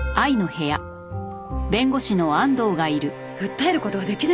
訴える事はできないって事？